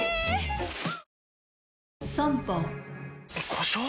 故障？